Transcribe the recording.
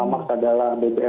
oke maksa dala bbm